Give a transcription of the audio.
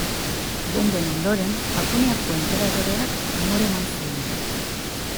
Bonben ondoren, Japoniako enperadoreak amore eman zuen.